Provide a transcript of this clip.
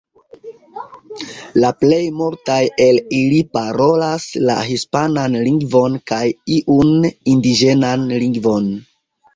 La plej multaj el ili parolas la hispanan lingvon kaj iun indiĝenan lingvon.